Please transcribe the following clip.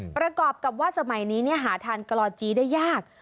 ประกอบกับว่าสมัยนี้หาทานกลอจีได้ยาก